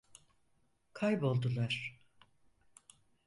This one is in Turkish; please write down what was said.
Kayboldular.